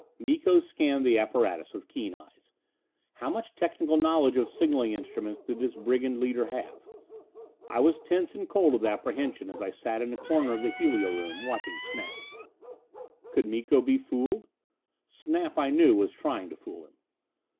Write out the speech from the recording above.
Miko scanned the apparatus with keen eyes. How much technical knowledge of signaling instruments did this brigand leader have? I was tense and cold with apprehension as I sat in a corner of the helio room, watching Snap. Could Miko be fooled? Snap, I knew, was trying to fool him.